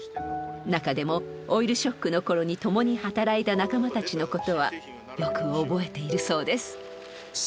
中でもオイルショックの頃に共に働いた仲間たちのことはよく覚えているそうです。